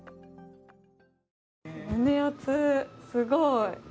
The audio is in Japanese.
胸熱、すごい。